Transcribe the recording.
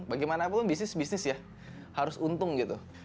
bagaimana pun bisnis bisnis ya harus untung gitu